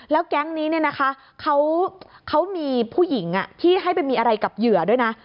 แล้วแก๊งนี้เนี่ยนะคะเขามีผู้หญิงที่ให้ไปมีอะไรกับเหยื่อด้วยนะ